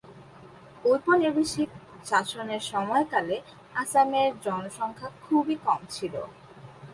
ঔপনিবেশিক শাসনের সময়কালে আসামের জনসংখ্যা খুবই কম ছিল।